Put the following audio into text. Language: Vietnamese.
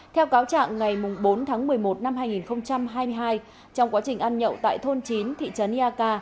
theo cáo trạng ngày bốn tháng một mươi một năm hai nghìn hai mươi hai trong quá trình ăn nhậu tại thôn chín thị trấn eak